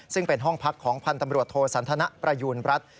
ซึ่งเป็นห้องพักของพันธ์ตำรวจโทสันทนประยูณรัฐ